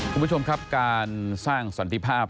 คุณผู้ชมครับการสร้างสันติภาพ